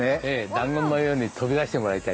弾丸のように飛び出してもらいたい。